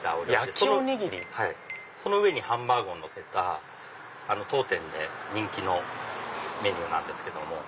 その上にハンバーグをのせた当店で人気のメニューなんですけども。